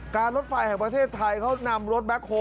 รถไฟแห่งประเทศไทยเขานำรถแบ็คโฮล